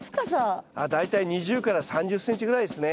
ああ大体２０から３０ｃｍぐらいですね。